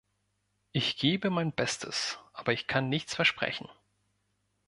Ich gebe mein Bestes, aber ich kann nichts versprechen.